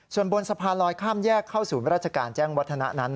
ส่วนบนสะพานลอยข้ามแยกเข้าศูนย์ราชการแจ้งวัฒนะนั้น